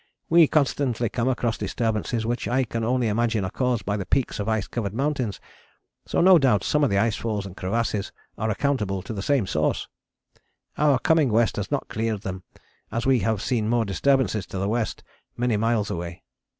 We constantly come across disturbances which I can only imagine are caused by the peaks of ice covered mountains, and no doubt some of the ice falls and crevasses are accountable to the same source. Our coming west has not cleared them, as we have seen more disturbances to the west, many miles away.